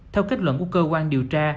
theo kết luận của cơ quan điều tra